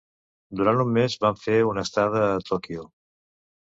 Durant un mes van fer una estada a Tòquio.